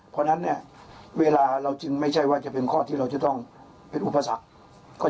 เพราะฉะนั้นเนี่ยเวลาเราจึงไม่ใช่ว่าจะเป็นข้อที่เราจะต้องเป็นอุปสรรค